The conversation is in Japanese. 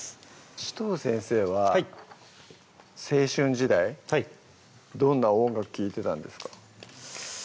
紫藤先生は青春時代はいどんな音楽聴いてたんですか？